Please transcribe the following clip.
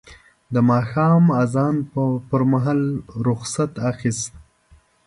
د ماښام اذان پر مهال رخصت اخیست.